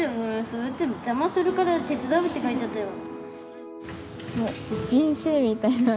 そうやって邪魔するから「手伝う」って書いちゃったよ。